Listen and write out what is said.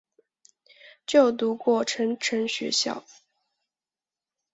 就读过成城学校。